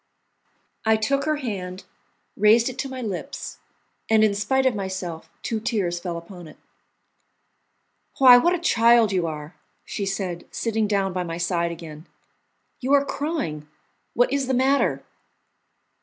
I took her hand, raised it to my lips, and in spite of myself two tears fell upon it. "Why, what a child you are!" she said, sitting down by my side again. "You are crying! What is the matter?"